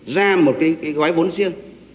ra một cái gói vốn riêng